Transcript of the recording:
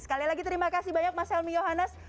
sekali lagi terima kasih banyak mas helmi yohanes